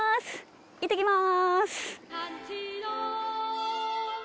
いってきます。